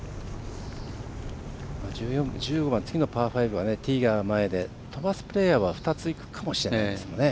１５番、次のパー５はティーが前で飛ばすプレーヤーは２ついくかもしれませんよね。